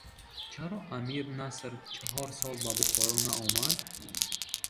Чаро Амир Наср чаҳор сол ба Бухоро наомад?